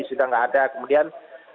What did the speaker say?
sudah nggak ada kemudian